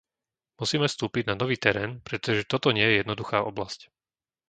Musíme vstúpiť na nový terén, pretože toto nie je jednoduchá oblasť.